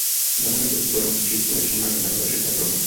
জানালেন, পবিত্র কোরআনের অর্থ শিখতেই একসময় বাংলায় পড়ালেখা শেখার আগ্রহ হয়।